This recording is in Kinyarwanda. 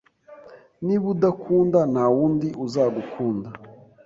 Niba udakunda, ntawundi uzagukunda.